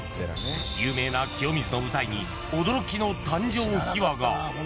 有名な清水の舞台に驚きの誕生秘話が。